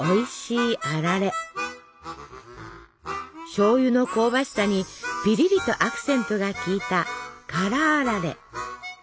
しょうゆの香ばしさにぴりりとアクセントが効いた「辛あられ」。